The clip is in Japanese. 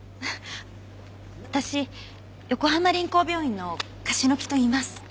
私横浜臨港病院の樫木といいます。